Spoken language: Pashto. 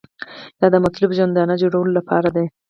دا د مطلوب ژوندانه جوړولو لپاره ده.